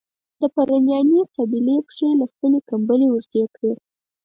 د پرنیاني قبیلې پښې له خپلي کمبلي اوږدې کړي.